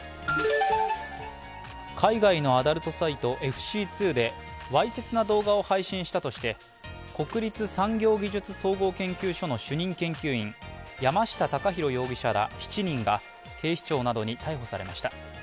海外のアダルトサイトＦＣ２でわいせつな動画を配信したとして国立・産業技術総合研究所の主任研究員、山下崇博容疑者らが７人が警視庁などに逮捕されました。